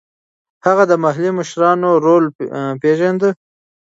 هغه د محلي مشرانو رول پېژانده.